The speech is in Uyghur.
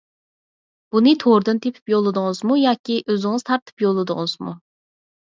بۇنى توردىن تېپىپ يوللىدىڭىزمۇ ياكى ئۆزىڭىز تارتىپ يوللىدىڭىزمۇ؟